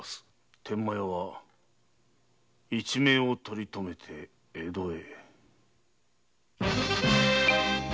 天満屋は一命を取り留めて江戸へ。